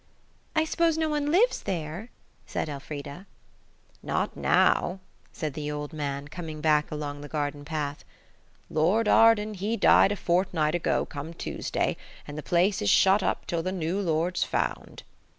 "I s'pose no one lives there?" said Elfrida. "Not now," said the old man, coming back along the garden path. "Lord Arden, he died a fortnight ago come Tuesday, and the place is shut up till the new lord's found."